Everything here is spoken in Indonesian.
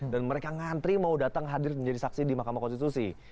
dan mereka ngantri mau datang hadir menjadi saksi di mahkamah konstitusi